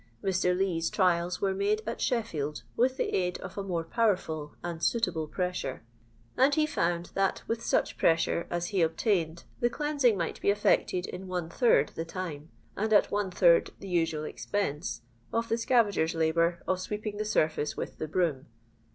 Mr. Lee*8 trials were made at Sheffield, with the aid of a more powerful and suitable pressure, and he found that with such pressure as he obtained the cleansing might be effected in one third the time, and at one third the usual expense^ of the scavagers' labour of sweeping the surface with the broom."